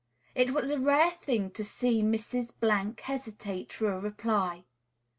It was a rare thing to see Mrs. hesitate for a reply.